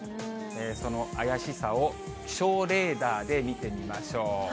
その怪しさを気象レーダーで見てみましょう。